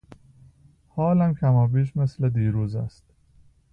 حالم کمابیش مثل دیروز است.